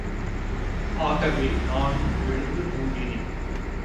ஆகவே நானும் விழுந்து தூங்கினேன்.